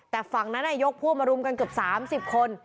แต่ฝั่งนั้นยกพวกมารุมกันเกือบ๓๐คน